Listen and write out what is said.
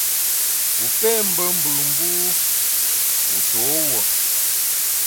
Wu pé mbe mbù, mbu wu to wuo ?